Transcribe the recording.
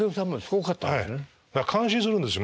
だから感心するんですよ